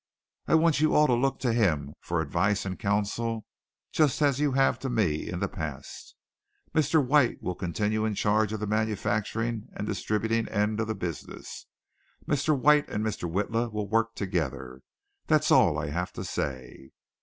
I want you all to look to him for advice and counsel just as you have to me in the past. Mr. White will continue in charge of the manufacturing and distributing end of the business. Mr. White and Mr. Witla will work together. That's all I have to say."